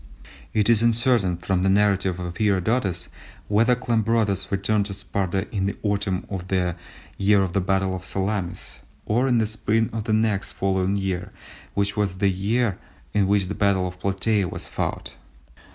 It is uncertain from the narrative of Herodotus whether Cleombrotus returned to Sparta in the autumn of the year of the battle of Salamis, or in the spring of the next following year which was that in which the battle of Platæa was fought.